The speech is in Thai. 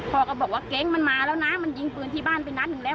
ก็บอกว่าเก๊งมันมาแล้วนะมันยิงปืนที่บ้านไปนัดหนึ่งแล้ว